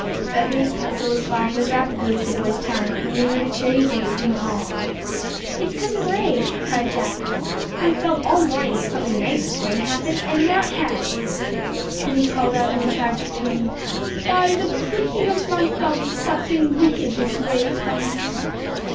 Bethany's pencil was flying as rapidly as the boy's tongue, when they heard a cheery voice in the hall. "It's Cousin Ray!" cried Jack. "I have felt all morning that something nice was going to happen, and now it has." Then he called out in a tragic tone, "'By the pricking of my thumbs, something wicked this way comes.'"